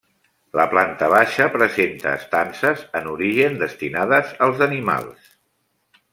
La planta baixa presenta estances en origen destinades als animals.